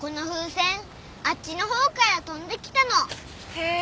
へえ。